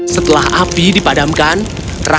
setelah api dipadamkan rakyat kota nottingham menang